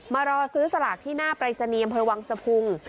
มารอซื้อสลากที่หน้าปริศนียมเผยวังสะพุง